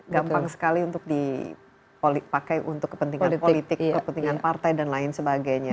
gampang sekali untuk dipakai untuk kepentingan politik kepentingan partai dan lain sebagainya